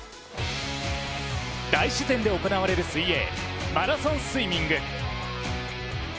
大自然で行われる水泳、マラソンスイミング。